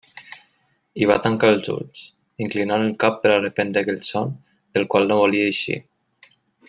I va tancar els ulls, inclinant el cap per a reprendre aquell son del qual no volia eixir.